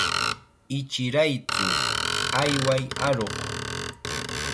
Ichiraytsu, ayway aruq.